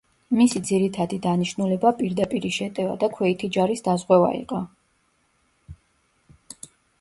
მისი ძირითადი დანიშნულება პირდაპირი შეტევა და ქვეითი ჯარის დაზღვევა იყო.